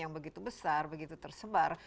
yang begitu besar begitu tersebar